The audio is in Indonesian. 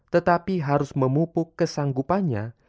tetapi harus memupuk kesanggupannya